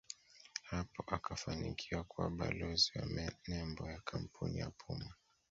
hapo akafanikiwa kuwa balozi wa nembo ya kampuni ya Puma